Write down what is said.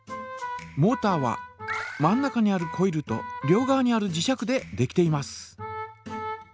モータは真ん中にあるコイルと両側にある磁石でできています。